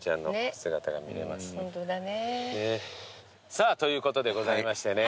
さあということでございましてね